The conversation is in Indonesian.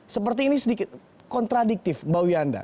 seperti ini sedikit kontradiktif mbak wiyanda